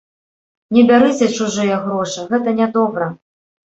Не бярыце чужыя грошы, гэта нядобра.